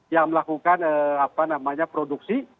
yang melakukan produksi